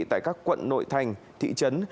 tại các quận nội thành thị trấn